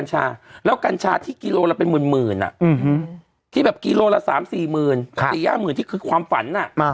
ตัวละสามสี่หมื่นสี่ห้าหมื่นที่คือความฝัน